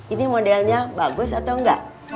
ini modelnya bagus atau enggak